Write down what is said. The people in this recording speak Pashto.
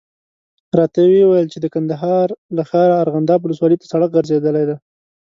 راته یې وویل چې د کندهار له ښاره ارغنداب ولسوالي ته سړک غځېدلی.